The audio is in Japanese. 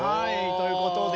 ということで。